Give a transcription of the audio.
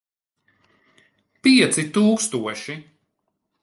Pieci tūkstoši.